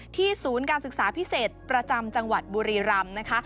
ศูนย์การศึกษาพิเศษประจำจังหวัดบุรีรำนะคะ